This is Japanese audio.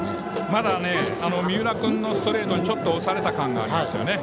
まだ三浦君のストレートにちょっと押された感がありますね。